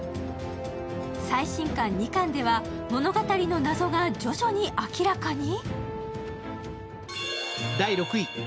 最新刊２巻では、物語の謎が徐々に明らかに。